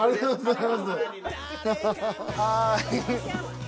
はい。